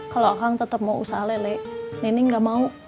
kalau kang tetap mau usaha lele lele gak mau